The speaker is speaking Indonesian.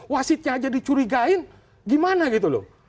wasitnya aja dicurigain gimana gitu loh